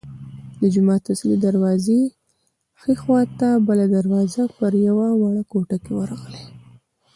د جومات اصلي دروازې ښي خوا ته بله دروازه پر یوه وړه کوټه ورغلې.